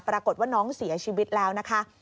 ปรากฏว่าน้องเสียชีวิตแล้วนะคะ